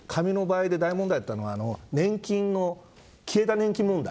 特に紙の場合、大問題だったのは消えた年金問題。